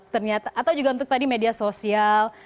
ternyata atau juga untuk tadi media sosial